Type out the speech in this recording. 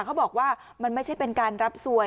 เขาบอกว่ามันไม่ใช่เป็นการรับสวย